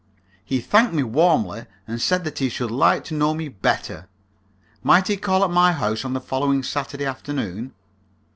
He thanked me warmly, and said that he should like to know me better. Might he call at my house on the following Saturday afternoon?